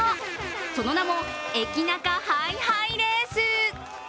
その名も、エキナカハイハイレース。